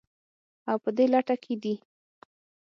او په دې لټه کې دي